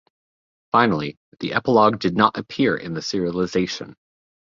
Finally, the epilogue did not appear in the serialisation.